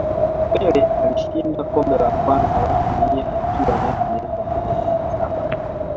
pele alishinda kombe la kwanza la dunia akiwa na miaka kumi na saba